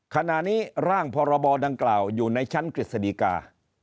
ขณะนี้ร่างพรบดังกล่าวอยู่ในชั้นกฤษฎีกา